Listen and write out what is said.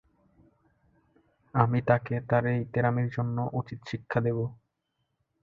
আমি তাকে তার এই ত্যাড়ামির জন্য উচিৎ শিক্ষা দেবো!